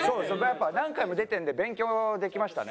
やっぱ何回も出てるんで勉強できましたね。